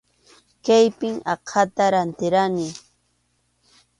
Kaypim aqhata rantirqani.